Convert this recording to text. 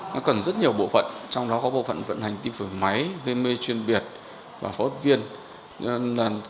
nó cần rất nhiều bộ phận trong đó có bộ phận vận hành tim phổi máy gây mê chuyên biệt và phẫu thuật viên